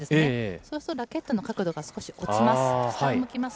そうすると、ラケットの角度が少し落ちます、下を向きます。